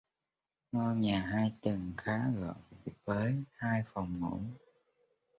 Ngôi nhà hai tầng khá rộng với Hai Phòng ngủ